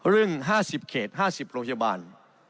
ครึ่ง๕๐เขต๕๐โรงพยาบาล